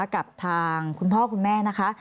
กับทางคุณพ่อคุณแม่นะคะ